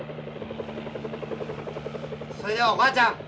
それではお母ちゃん。